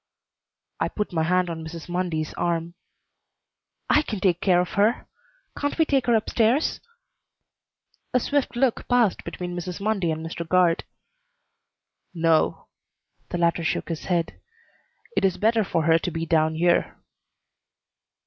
I put my hand on Mrs. Mundy's arm. "I can take care of her. Can't we take her up stairs?" A swift look passed between Mrs. Mundy and Mr. Guard. "No." The latter shook his head. "It is better for her to be down here."